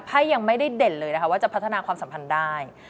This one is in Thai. ยังไม่ได้เด่นเลยนะคะว่าจะพัฒนาความสัมพันธ์ได้